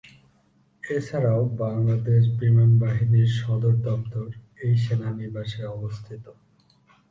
এছাড়াও বাংলাদেশ বিমান বাহিনীর সদর দপ্তর এই সেনানিবাসে অবস্থিত।